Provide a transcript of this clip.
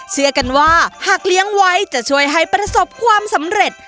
เชื่อกันว่าหากเลี้ยงไว้จะช่วยให้ประสบความสำเร็จ